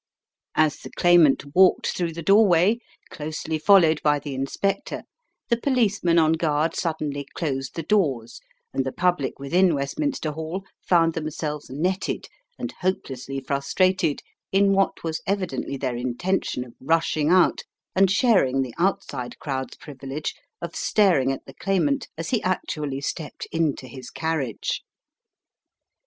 As the Claimant walked through the doorway, closely followed by the Inspector, the policemen on guard suddenly closed the doors, and the public within Westminster Hall found themselves netted and hopelessly frustrated in what was evidently their intention of rushing out and sharing the outside crowd's privilege of staring at the Claimant, as he actually stepped into his carriage.